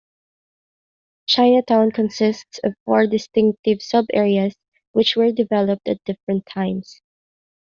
Chinatown consists of four distinctive sub-areas which were developed at different times.